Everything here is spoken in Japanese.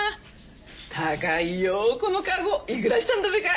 高いよこのかごいくらしたんだべか？